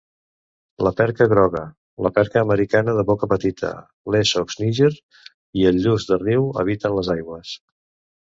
La perca groga, la perca americana de boca petita, l'Esox niger i el lluç de riu habiten les aigües.